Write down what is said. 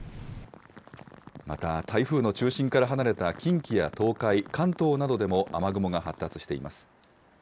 また台風の中心から離れた近畿や東海、関東などでも雨雲が発達しています。